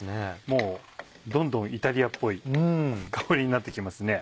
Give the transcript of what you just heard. もうどんどんイタリアっぽい香りになって来ますね。